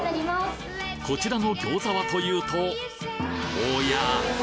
こちらの餃子はというとおや？